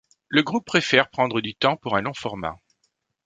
Le groupe préfère prendre du temps pour un long format.